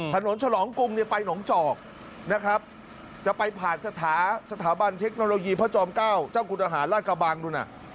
ธนโนโลยีพระจอม๙เจ้าทุกคนอาหารราชกระบังดูน่ะ